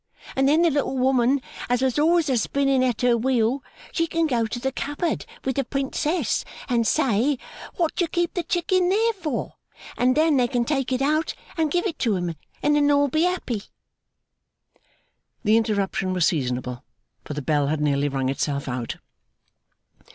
And then the little woman as was always a spinning at her wheel, she can go to the cupboard with the Princess, and say, what do you keep the Chicking there for? and then they can take it out and give it to him, and then all be happy!' The interruption was seasonable, for the bell had nearly rung itself out.